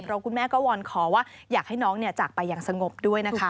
แล้วคุณแม่ก็วอนขอว่าอยากให้น้องจากไปอย่างสงบด้วยนะคะ